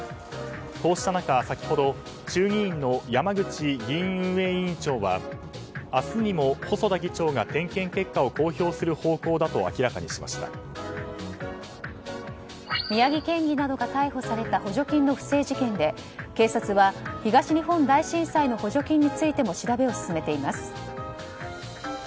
こうした中、先ほど衆議院の山口議院運営委員長は明日にも細田議長が点検結果を公表する方向だと宮城県議などが逮捕された補助金の不正事件で警察は、東日本大震災の補助金についても調べを進めています。